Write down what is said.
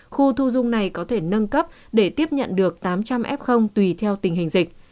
khu thu dung này có thể nâng cấp để tiếp nhận được tám trăm linh f tùy theo tình hình dịch